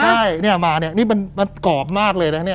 ใช่นี่มานี่มันกรอบมากเลยนะ